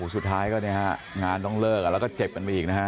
สุดท้ายก็เนี่ยฮะงานต้องเลิกแล้วก็เจ็บกันไปอีกนะฮะ